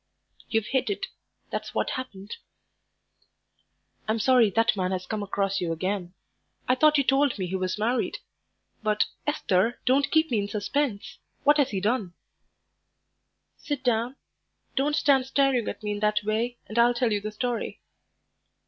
"You've hit it, that's what happened." "I'm sorry that man has come across you again. I thought you told me he was married. But, Esther, don't keep me in suspense; what has he done?" "Sit down; don't stand staring at me in that way, and I'll tell you the story."